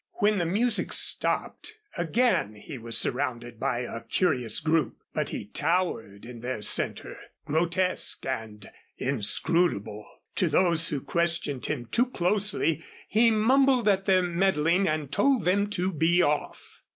When the music stopped again he was surrounded by a curious group, but he towered in their center grotesque, and inscrutable. To those who questioned him too closely he mumbled at their meddling and told them to be off.